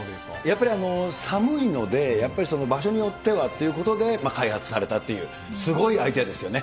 やっぱり寒いので、やっぱり場所によってはっていうことで開発されたっていう、すごいアイデアですよね。